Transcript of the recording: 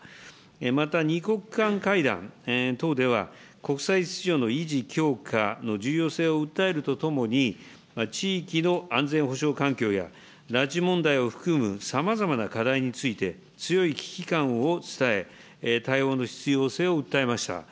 また、２国間会談等では、国際秩序の維持、強化の重要性を訴えるとともに、地域の安全保障環境や、拉致問題を含むさまざまな課題について、強い危機感を伝え、対応の必要性を訴えました。